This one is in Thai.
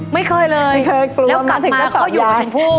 ไม่เคยกลัวมาถึงก็สอบย้าง